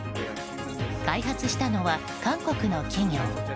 開発したのは韓国の企業。